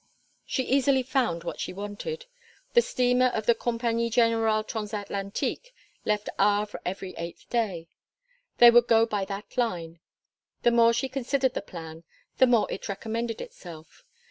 She easily found what she wanted. The steamer of the Compagnie Generale Transatlantique left Havre every eighth day. They would go by that line. The more she considered the plan the more it recommended itself.